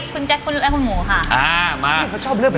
คุณแจ็คและคุณหมูค่ะ